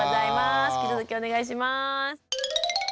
引き続きお願いします。